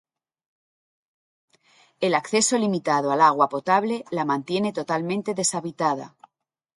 El acceso limitado al agua potable la mantiene totalmente deshabitada.